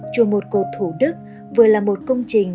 chùa một cột thủ đức vừa là một công trình